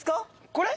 これ？